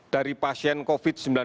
dari pasien covid sembilan belas